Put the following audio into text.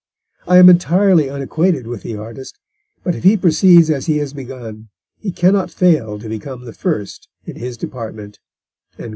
I am entirely unacquainted with the artist, but if he proceeds as he has begun, he cannot fail to become the first in his department."